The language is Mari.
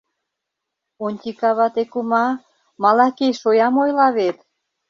Онтика вате кума, Малакей шоям ойла вет?..